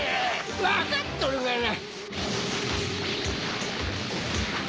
分かっとるがな。